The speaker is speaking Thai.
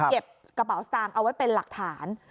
เก็บกระเป๋าสตางค์เอาไว้เป็นหลักฐาน